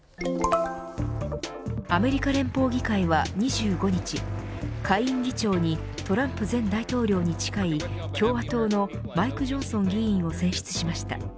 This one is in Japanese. アメリカ連邦議会は２５日下院議長にトランプ前大統領に近い共和党のマイク・ジョンソン議員を選出しました。